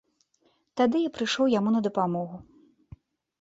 Тады я прыйшоў яму на дапамагу.